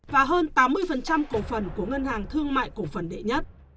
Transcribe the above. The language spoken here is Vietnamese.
và hơn tám mươi cổ phần của ngân hàng thương mại cổ phần đệ nhất